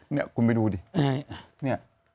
เนี่ยคุณไปดูดิเนี่ย